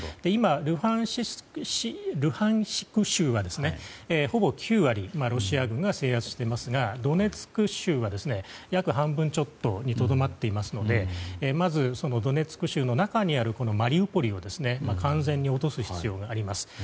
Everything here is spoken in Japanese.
今、ルハンシュク州はほぼ９割ロシア軍が制圧していますがドネツク州は約半分ちょっとにとどまっているのでドネツク州の中にあるマリウポリを完全に落とす必要があります。